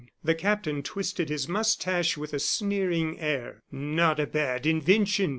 The captain twisted his mustache with a sneering air. "Not a bad invention!"